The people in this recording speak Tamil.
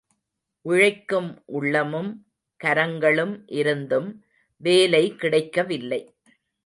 உழைக்கும் உள்ளமும், கரங்களும் இருந்தும் வேலை கிடைக்கவில்லை.